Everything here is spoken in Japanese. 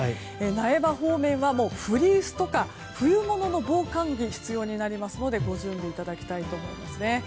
苗場方面はフリースとか冬物の防寒着が必要になりますのでご準備いただきたいと思います。